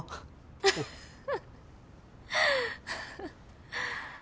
フフフフ。